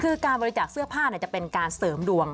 คือการบริจาคเสื้อผ้าจะเป็นการเสริมดวง